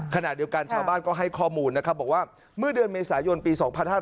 ขณะเดียวกันชาวบ้านก็ให้ข้อมูลนะครับบอกว่าเมื่อเดือนเมษายนปี๒๕๕๙